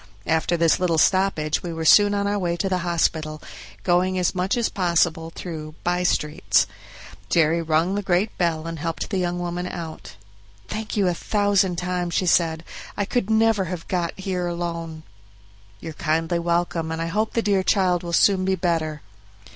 After this little stoppage we were soon on our way to the hospital, going as much as possible through by streets. Jerry rung the great bell and helped the young woman out. "Thank you a thousand times," she said; "I could never have got here alone." "You're kindly welcome, and I hope the dear child will soon be better."